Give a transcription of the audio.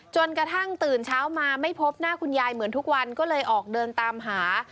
จนกระทั่งตื่นเช้ามาไม่พบหน้าคุณยายเหมือนทุกวันก็เลยออกเดินตามหา